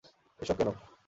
এই সব কেন?